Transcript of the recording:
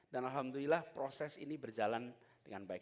dan alhamdulillah proses ini berjalan dengan baik